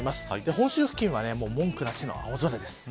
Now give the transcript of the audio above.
本州付近は文句なしの青空です。